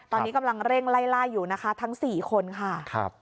ตอนนี้กำลังเร่งล่ายอยู่นะคะทั้ง๔คนค่ะ